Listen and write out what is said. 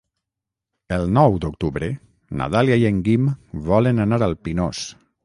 El nou d'octubre na Dàlia i en Guim volen anar al Pinós.